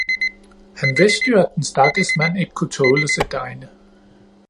Han vidste jo, at den stakkels mand ikke kunne tåle at se degne.